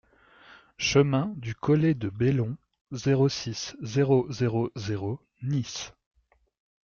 Chemin du Collet de Bellon, zéro six, zéro zéro zéro Nice